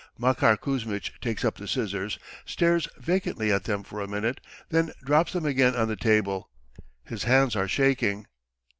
Makar Kuzmitch takes up the scissors, stares vacantly at them for a minute, then drops them again on the table. His hands are shaking.